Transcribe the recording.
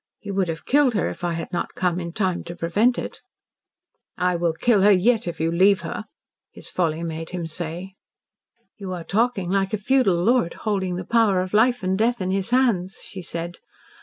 You would have killed her if I had not come in time to prevent it." "I will kill her yet if you leave her," his folly made him say. "You are talking like a feudal lord holding the power of life and death in his hands," she said.